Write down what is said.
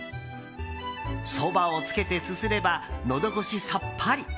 そばをつけてすすればのど越しさっぱり！